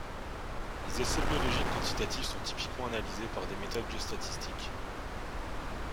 Les essais biologiques quantitatifs sont typiquement analysés par des méthodes biostatistiques.